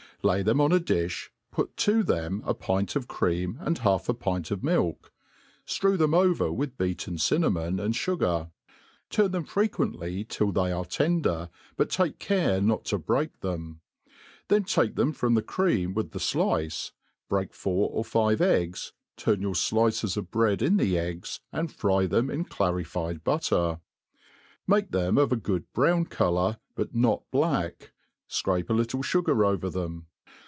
Lay them on a di{h> put to them a pint of cream and half a pint of milk; ftrew them over with beaten cinnamon and fugar ; turn them fre 'quently till they are tender, but take care not to break ihem : then take them from the cream with the flice, break four or five eggs, turn your flices of bread inthe ^g%^^ and fry them, in clauStd bulter. Make them of a good brown colour^ but not blacky fcrape a little fugar over them.